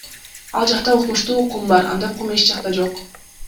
Ал жакта укмуштуу кум бар, андай кум эч жакта жок!